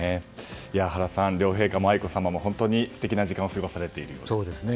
原さん、両陛下も愛子さまも素敵な時間を過ごされているようですね。